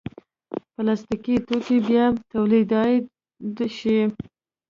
پلاستيکي توکي بیا تولیدېدای شي.